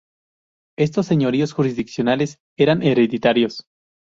Estos señoríos jurisdiccionales eran hereditarios.